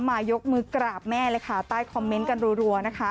ยกมือกราบแม่เลยค่ะใต้คอมเมนต์กันรัวนะคะ